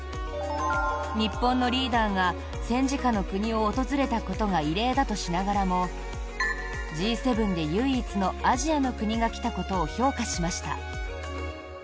日本のリーダーが戦時下の国を訪れたことが異例だとしながらもＧ７で唯一のアジアの国が来たことを評価しました。